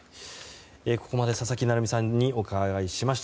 ここまで佐々木成三さんにお伺いしました。